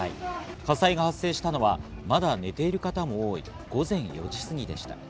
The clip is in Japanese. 火災が発生したのはまだ寝ている方も多い午前４時過ぎでした。